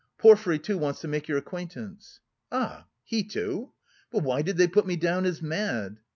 Porfiry, too, wants to make your acquaintance..." "Ah!... he too... but why did they put me down as mad?"